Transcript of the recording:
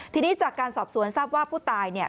ทีนี้จากการสอบสวนทราบว่าผู้ตายเนี่ย